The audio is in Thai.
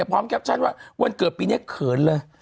พร้อมแคปชันว่าวันเกือบปีนี้เขินเลย